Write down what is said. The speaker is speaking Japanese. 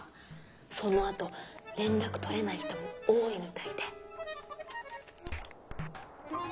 そのあと連絡取れない人も多いみたいで。